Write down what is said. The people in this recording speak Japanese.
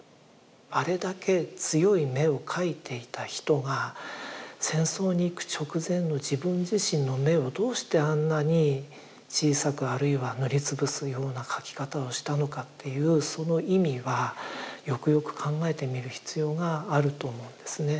あれだけ強い眼を描いていた人が戦争に行く直前の自分自身の眼をどうしてあんなに小さくあるいは塗りつぶすような描き方をしたのかっていうその意味はよくよく考えてみる必要があると思うんですね。